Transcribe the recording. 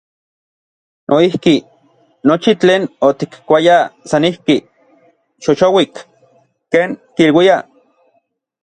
Noijki, nochi tlen otikkuayaj san ijki, “xoxouik”, ken kiluiaj.